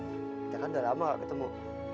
kita kan udah lama gak ketemu